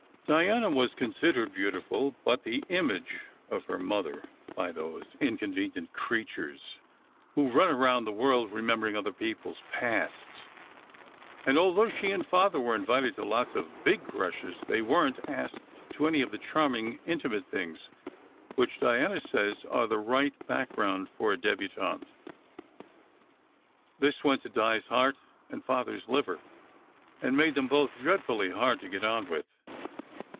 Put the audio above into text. Diana was considered beautiful, but "the image of her mother," by those inconvenient creatures who run around 6 SECRET HISTORY the world remembering other people s pasts ; and though she and Father were invited to lots of big crushes, they weren t asked to any of the charming intimate things which Diana says are the right background for a debutante. This went to Di s heart and Father s liver, and made them both dreadfully hard to get on with.